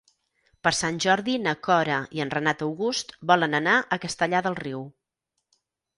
Per Sant Jordi na Cora i en Renat August volen anar a Castellar del Riu.